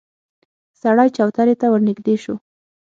سړی چوترې ته ورنږدې شو.